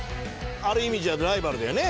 ある意味じゃライバルだよね？